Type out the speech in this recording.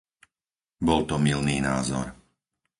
Bol to mylný názor.